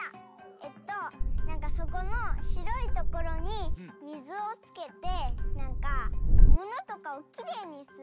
えっとなんかそこのしろいところにみずをつけてなんかものとかをきれいにするどうぐ？